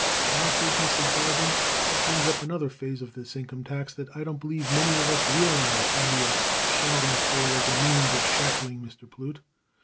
And that business of dodging that brings up another phase of this income tax that I don't believe many of us realized when we were shouting for it as a means of shackling Mr. Plute.